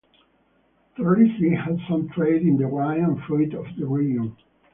Terlizzi has some trade in the wine and fruit of the region.